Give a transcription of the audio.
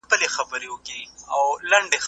د اړتیا په وخت کي مرسته وکړئ.